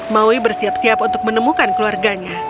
maui bersiap siap untuk menemukan keluarganya